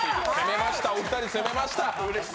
お２人攻めました、